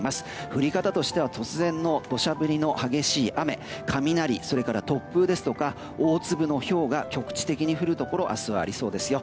降り方としては突然の土砂降りの激しい雨、雷それから突風ですとか大粒のひょうが局地的に降るところ明日はありそうですよ。